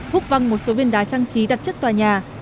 hút văng một số viên đá trang trí đặt chất tòa nhà